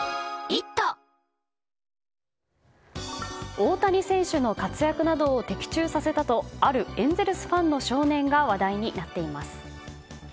大谷選手の活躍などを的中させたとあるエンゼルスファンの少年が話題になっています。